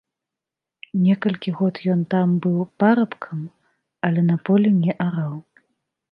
Некалькі год ён там быў парабкам, але на полі не араў.